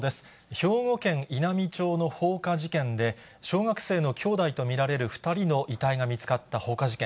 兵庫県稲美町の放火事件で、小学生の兄弟と見られる２人の遺体が見つかった放火事件。